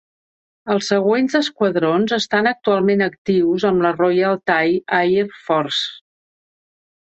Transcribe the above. Els següents esquadrons estan actualment actius amb la Royal Thai Air Force.